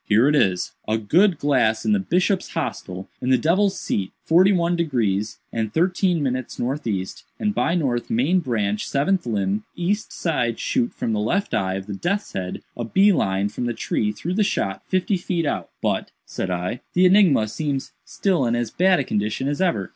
Here it is: "'_A good glass in the bishop's hostel in the devil's seat forty one degrees and thirteen minutes northeast and by north main branch seventh limb east side shoot from the left eye of the death's head a bee line from the tree through the shot fifty feet out_.'" "But," said I, "the enigma seems still in as bad a condition as ever.